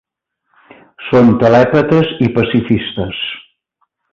Són telèpates i pacifistes.